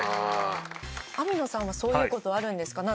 網野さんはそういう事あるんですか？